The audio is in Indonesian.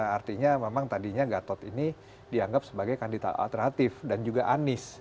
artinya memang tadinya gatot ini dianggap sebagai kandidat alternatif dan juga anies